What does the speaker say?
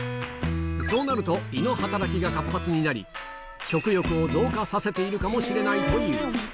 そうなると、胃の働きが活発になり、食欲を増加させているかもしれないという。